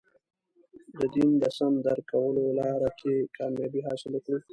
د دین د سم درک کولو لاره کې کامیابي حاصله کړو.